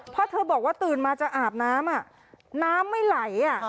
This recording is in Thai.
เพราะเธอบอกว่าตื่นมาจะอาบน้ำน้ำไม่ไหล